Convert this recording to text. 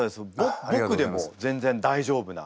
僕でも全然大丈夫な。